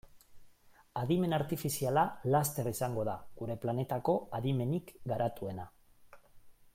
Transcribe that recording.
Adimen artifiziala laster izango da gure planetako adimenik garatuena.